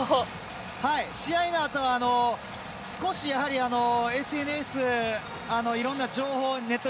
試合のあとは少しＳＮＳいろんな情報ネット